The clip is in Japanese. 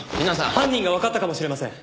犯人がわかったかもしれません。